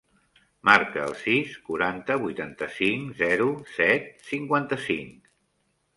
Marca el sis, quaranta, vuitanta-cinc, zero, set, cinquanta-cinc.